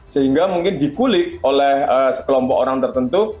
sehingga mungkin dikulik oleh sekelompok orang tertentu